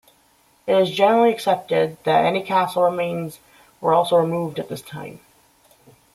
It is generally accepted that any castle remains were also removed at this time.